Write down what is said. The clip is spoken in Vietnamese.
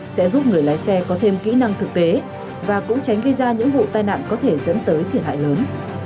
sẽ giúp người lái xe có thêm kỹ năng thực tế và cũng tránh gây ra những vụ tai nạn có thể dẫn tới thiệt hại lớn